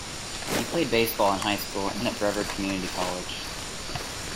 He played baseball in high school and at Brevard Community College.